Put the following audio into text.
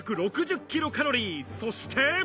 そして。